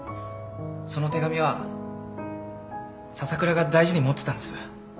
その手紙は笹倉が大事に持ってたんです。